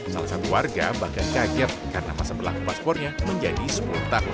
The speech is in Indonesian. salah satu warga bahkan kaget karena masa berlaku paspornya menjadi sepuluh tahun